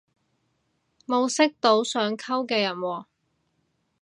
冇識到想溝嘅人喎